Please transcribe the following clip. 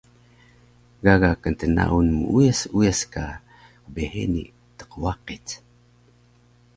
Gaga ktnaun muuyas uyas ka qbheni tqwaqic